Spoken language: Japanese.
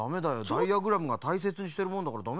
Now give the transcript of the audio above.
ダイヤグラムがたいせつにしてるものだからダメだよ。